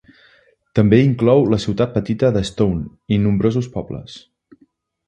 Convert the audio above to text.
També inclou la ciutat petita d'Stone i nombrosos pobles.